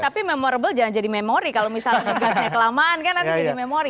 tapi memorable jangan jadi memori kalau misalnya ngegasnya kelamaan kan nanti jadi memori